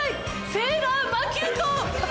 セーラーマキュト！